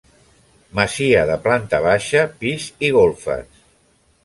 Masia de planta baixa, pis i golfes.